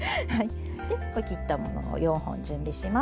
で切ったものを４本準備します。